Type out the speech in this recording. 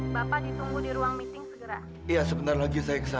sampai jumpa di video selanjutnya